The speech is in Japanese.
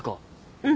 うん。